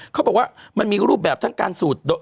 เขาบอกว่ามันมีรูปแบบทั้งการสูด